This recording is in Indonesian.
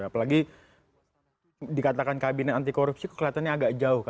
apalagi dikatakan kabinet anti korupsi kelihatannya agak jauh